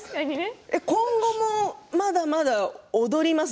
今後もまだまだ踊ります？